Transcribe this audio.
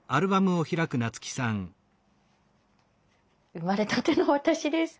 生まれたての私です。